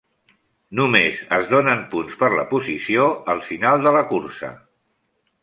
Només es donen punts per la posició al final de cursa.